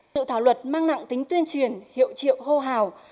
dự thảo luật mang nặng tính tuyên truyền hiệu triệu hô hào